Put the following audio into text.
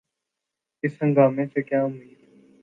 اس ہنگامے سے کیا امید؟